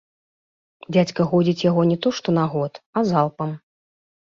Дзядзька годзіць яго не то што на год, а залпам.